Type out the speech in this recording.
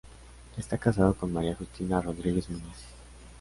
Está casado con María Justina Rodríguez Muniz.